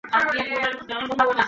তুমি কী তৈরী?